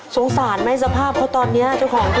สงสารไหมสภาพเขาตอนเนี่ยเจ้าของเพลง